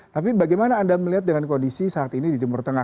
tapi bagaimana anda melihat dengan kondisi saat ini di timur tengah